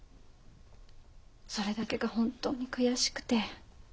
それだけが本当に悔しくて。